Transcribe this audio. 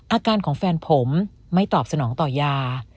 อาการของแฟนผมไม่ตอบสนองต่อยา